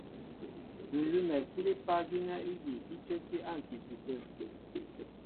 Ǹ lʉ́mɛ sílípá gínɛ́ ígi í cə́kí á ǹtiti tə̂.